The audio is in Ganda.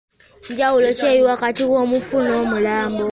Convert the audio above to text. Njawulo eri wakati W’omufu n’Omulambo?